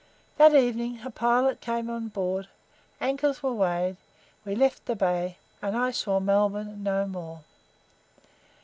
That evening a pilot came on board, anchors were weighed, we left the bay, and I saw Melbourne no more.